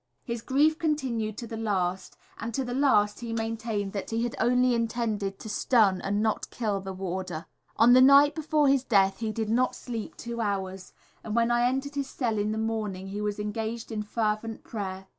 His grief continued to the last, and to the last he maintained that he had only intended to stun, and not to kill the warder. On the night before his death he did not sleep two hours, and when I entered his cell in the morning he was engaged in fervent prayer.